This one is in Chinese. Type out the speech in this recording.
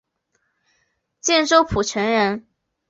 建州浦城人。